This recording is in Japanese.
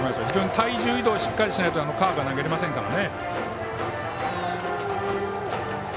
体重移動をしっかりしないとカーブは投げれませんからね。